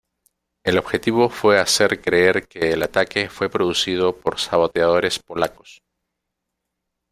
El objetivo fue hacer creer que el ataque fue producido por saboteadores polacos.